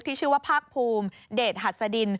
ที่ชื่อว่าภาคภูมิเดชหัสดิน